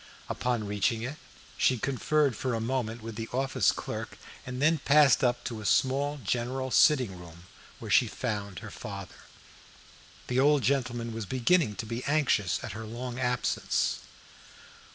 Upon reaching it she conferred for a moment with the office clerk, and then passed up to a small general sitting room where she found her father. The old gentleman was beginning to be anxious at her long absence.